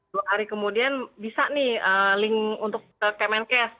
dua hari kemudian bisa nih link untuk ke kemenkes